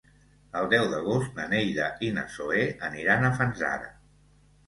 El deu d'agost na Neida i na Zoè aniran a Fanzara.